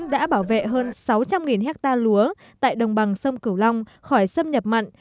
đã bảo vệ hơn sáu trăm linh hectare lúa tại đồng bằng sông cửu long khỏi xâm nhập mặn